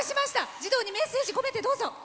児童にメッセージ込めてどうぞ。